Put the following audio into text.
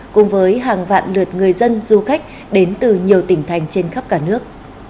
cùng với hàng vạn lượt người dân du khách đến từ nhiều tỉnh thành trên khắp cả nước